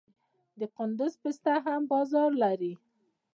د کندز پسته هم بازار لري.